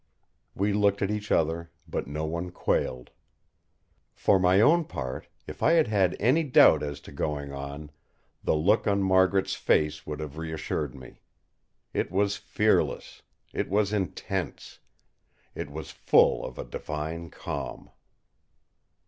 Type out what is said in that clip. We looked at each other; but no one quailed. For my own part, if I had had any doubt as to going on, the look on Margaret's face would have reassured me. It was fearless; it was intense; it was full of a divine calm.